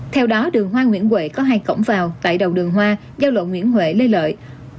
theo đó đường hoa nguyễn huệ có hai cổng vào tại đầu đường hoa giao lộ nguyễn huệ lê lợi